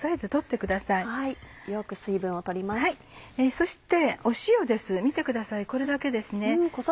そして塩です見てくださいこれだけです。